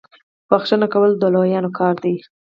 بخښنه کول د لویانو کار دی.